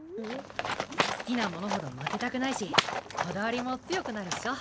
好きなものほど負けたくないしこだわりも強くなるっしょ。